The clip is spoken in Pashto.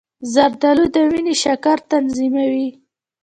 زردآلو د وینې شکر تنظیموي.